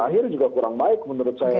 akhir juga kurang baik menurut saya